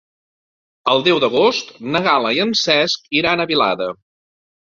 El deu d'agost na Gal·la i en Cesc iran a Vilada.